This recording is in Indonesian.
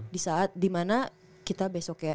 di saat dimana kita besoknya